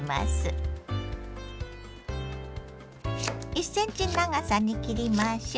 １ｃｍ長さに切りましょ。